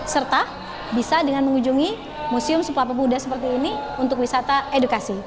serta bisa dengan mengunjungi museum supa muda seperti ini untuk wisata edukasi